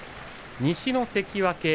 西の関脇